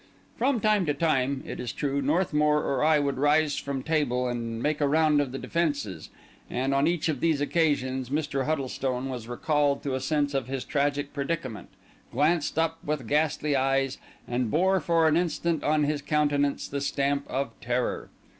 From time to time, it is true, Northmour or I would rise from table and make a round of the defences; and, on each of these occasions, Mr. Huddlestone was recalled to a sense of his tragic predicament, glanced up with ghastly eyes, and bore for an instant on his countenance the stamp of terror.